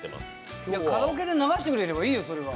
カラオケで流してくれればいいよ、それは。